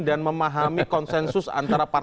apa yang menjadi harapan